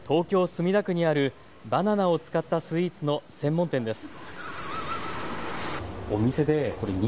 墨田区にあるバナナを使ったスイーツの専門店です。